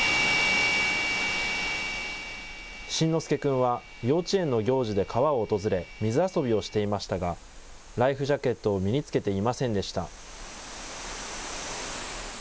慎之介くんは幼稚園の行事で川を訪れ、水遊びをしていましたが、ライフジャケットを身に着けていませんでした。